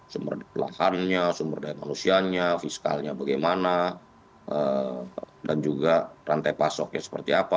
sumber lahannya sumber daya manusianya fiskalnya bagaimana dan juga rantai pasoknya seperti apa